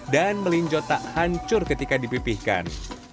dan melinjo tak hancur ketika dipipihkan